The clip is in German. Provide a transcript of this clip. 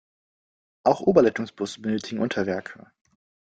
Auch Oberleitungsbusse benötigen Unterwerke.